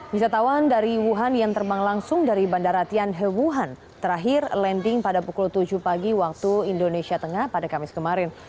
wisatawan dari wuhan yang terbang langsung dari bandara tianhe wuhan terakhir landing pada pukul tujuh pagi waktu indonesia tengah pada kamis kemarin